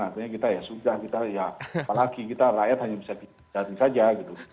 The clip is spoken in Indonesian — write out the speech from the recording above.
artinya kita ya sudah kita ya apalagi kita rakyat hanya bisa jati saja gitu